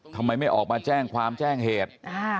ทำไมไม่ออกมาแจ้งความแจ้งเหตุ